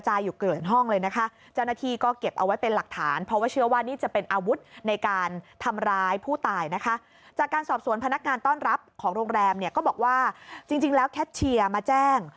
จริงแล้วแคชเชียร์มาแจ้ง